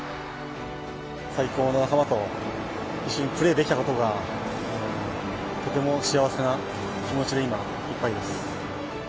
最高の仲間と一緒にプレーできたことが、とても幸せな気持ちで今、いっぱいです。